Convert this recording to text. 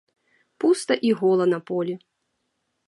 Пуста і гола на полі.